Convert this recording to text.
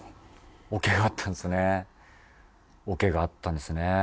オケがあったんですね。